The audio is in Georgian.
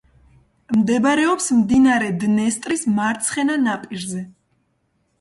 მდებარეობს მდინარე დნესტრის მარცხენა ნაპირზე.